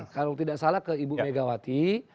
kalau tidak salah ke ibu megawati